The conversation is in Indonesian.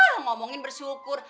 hah ngomongin bersyukur